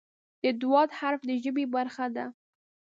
د "ض" حرف د ژبې برخه ده.